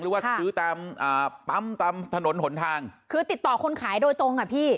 หรือว่าซื้อตามอ่าปั๊มตามถนนหนทางคือติดต่อคนขายโดยตรงอ่ะพี่